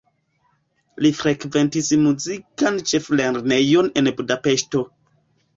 Li frekventis muzikan ĉeflernejon en Budapeŝto.